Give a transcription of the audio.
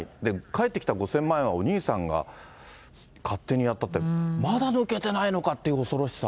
返ってきた５０００万円は、お兄さんが勝手にやったって、まだ抜けてないのかっていう恐ろしさ。